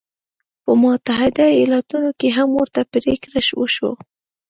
په متحده ایالتونو کې هم ورته پرېکړه وشوه.